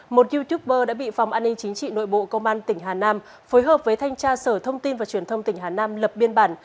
một youtuber đã bị phòng an ninh chính trị nội bộ công an tỉnh hà nam phối hợp với thanh tra sở thông tin và truyền thông tỉnh hà nam lập biên bản